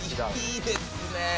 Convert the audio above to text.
いいですね！